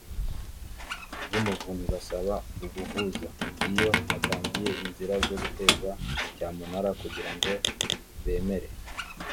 rw umuvunyi basaba ubuhuza iyo hatangiye inzira zo guteza cyamunara kugira ngo bemere